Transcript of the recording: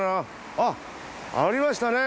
あっありましたね